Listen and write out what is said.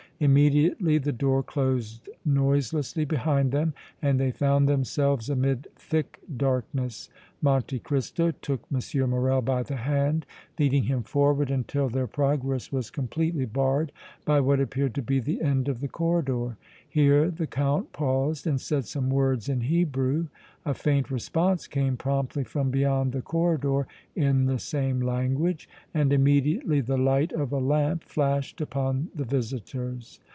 Immediately the door closed noiselessly behind them and they found themselves amid thick darkness. Monte Cristo took M. Morrel by the hand, leading him forward until their progress was completely barred by what appeared to be the end of the corridor. Here the Count paused and said some words in Hebrew. A faint response came promptly from beyond the corridor in the same language, and immediately the light of a lamp flashed upon the visitors.